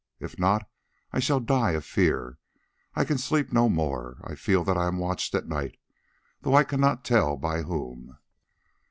If not, I shall die of fear. I can sleep no more. I feel that I am watched at night, though I cannot tell by whom.